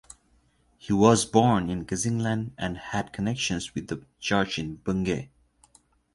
He was born in Kessingland and had connections with the church in Bungay.